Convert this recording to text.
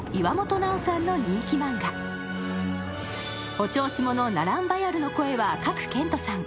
お調子者・ナランバヤルの声は賀来賢人さん。